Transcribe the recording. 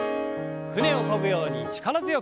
舟をこぐように力強く。